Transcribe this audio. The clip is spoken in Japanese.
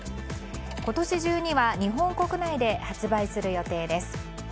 今年中には日本国内で発売する予定です。